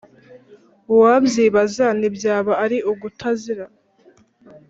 uwabyibaza ntibyaba ari ugutazira.